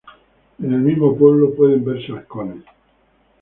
En el mismo pueblo pueden verse halcones.